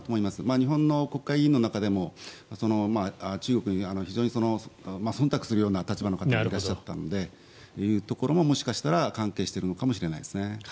日本の国会議員の中でも中国に非常にそんたくするような立場の方もいらっしゃったのでそういうところももしかしたら関係しているのかもしれないですね。